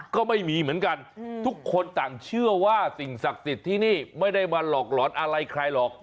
ก็ไม่มีเหมือนกันทุกคนต่างเชื่อว่าสิ่งศักดิ์สิทธิ์ที่นี่ไม่ได้มาหลอกหลอนอะไรใครหรอก